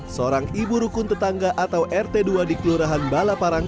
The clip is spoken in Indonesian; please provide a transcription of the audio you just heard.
seorang ibu rukun tetangga atau rt dua di kelurahan balaparang